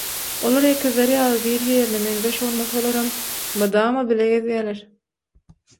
Olar ekizler ýaly biri-birine meňzeş bolmasalaram, mydama bile gezýäler.